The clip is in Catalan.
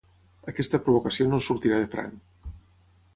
Aquesta provocació no els sortirà de franc.